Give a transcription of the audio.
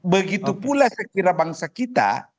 begitu pula sekira bangsa kita